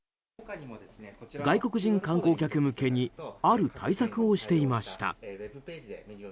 外国人観光客向けにある対策をしていました。